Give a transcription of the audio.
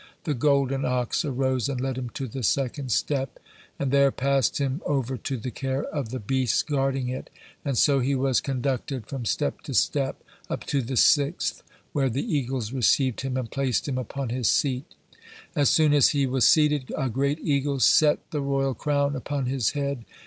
The golden ox arose and led him to the second step, and there passed him over to the care of the beasts guarding it, and so he was conducted from step to step up to the sixth, where the eagles received him and placed him upon his seat. As soon as he was seated, a great eagle set the royal crown upon his head.